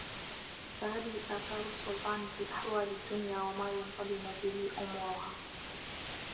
فَهَذِهِ آثَارُ السُّلْطَانِ فِي أَحْوَالِ الدُّنْيَا وَمَا يَنْتَظِمُ بِهِ أُمُورُهَا